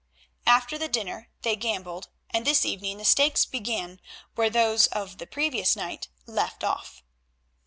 After the dinner they gambled, and this evening the stakes began where those of the previous night left off.